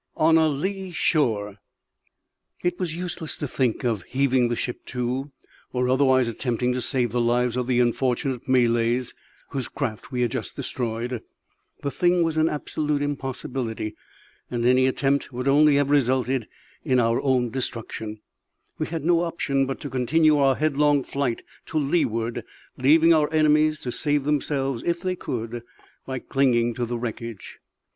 ON A LEE SHORE. It was useless to think of heaving the ship to, or otherwise attempting to save the lives of the unfortunate Malays whose craft we had just destroyed; the thing was an absolute impossibility, and any such attempt would only have resulted in our own destruction; we had no option but to continue our headlong flight to leeward, leaving our enemies to save themselves, if they could, by clinging to the wreckage.